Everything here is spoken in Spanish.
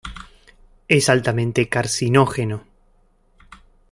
Es altamente carcinógeno.